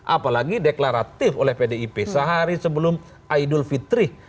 apalagi deklaratif oleh pdip sehari sebelum aidul fitrih